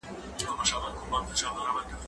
زه به تکړښت کړی وي؟